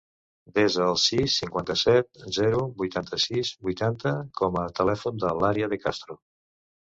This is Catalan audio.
Desa el sis, cinquanta-set, zero, vuitanta-sis, vuitanta com a telèfon de l'Aria De Castro.